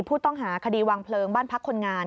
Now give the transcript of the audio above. ผู้ต้องหาคดีวางเพลิงบ้านพักคนงาน